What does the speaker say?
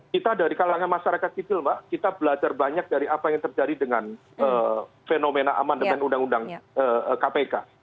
kita dari kalangan masyarakat sipil mbak kita belajar banyak dari apa yang terjadi dengan fenomena amandemen undang undang kpk